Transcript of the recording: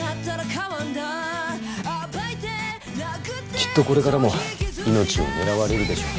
きっとこれからも命を狙われるでしょう。